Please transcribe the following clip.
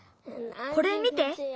これ見て。